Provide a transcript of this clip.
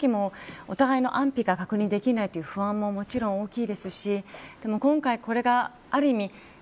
そういうときもお互いの安否が確認できない不安ももちろん大きいですしでも今回、これがある意味